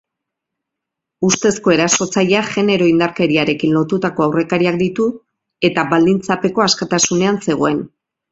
Ustezko erasotzaileak genero indarkeriarekin lotutako aurrekariak ditu, eta baldintzapeko askatasunean zegoen.